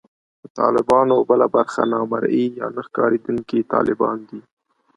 د طالبانو بله برخه نامرئي یا نه ښکارېدونکي طالبان دي